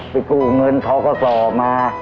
ไปกู้เงินทอสก็สอมา